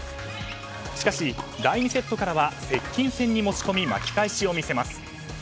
しかし、第２セットからは接近戦に持ち込み巻き返しを見せます。